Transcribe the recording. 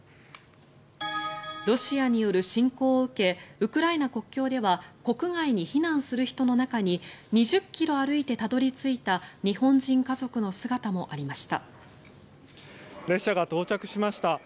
ロシアによる侵攻を受けウクライナ国境では国外に避難する人の中に２０ｋｍ歩いてたどり着いた日本人家族の姿もありました。